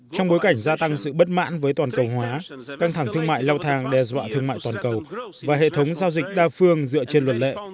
trong bối cảnh gia tăng sự bất mãn với toàn cầu hóa căng thẳng thương mại lao thang đe dọa thương mại toàn cầu và hệ thống giao dịch đa phương dựa trên luật lệ